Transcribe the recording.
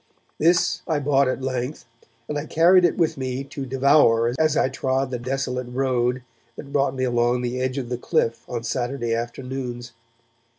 This I bought at length, and I carried it with me to devour as I trod the desolate road that brought me along the edge of the cliff on Saturday afternoons.